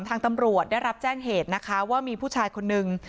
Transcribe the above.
ทางตำรวจได้รับแจ้งเหตุนะคะว่ามีผู้ชายคนนึง